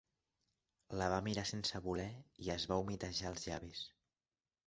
La va mirar sense voler i es va humitejar els llavis.